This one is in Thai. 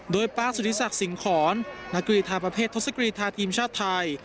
โดยป๊าสุธิศักดิ์สิงหอนนักกรีธาประเภททศกรีธาทีมชาติไทย